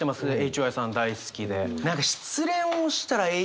ＨＹさん大好きで。